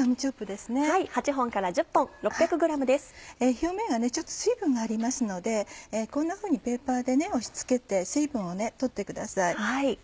表面がちょっと水分がありますのでこんなふうにペーパーで押し付けて水分を取ってください。